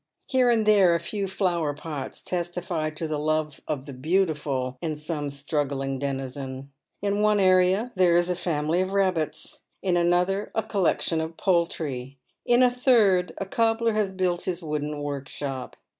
Here and there a few flower pots testify to the love of the beautiful in some straggling denizen ; in one area there is a family of rabbits, in another a collection of poultry ; in a third a cobbler has built his wooden workshop.